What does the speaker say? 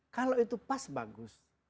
kalau itu pas bagus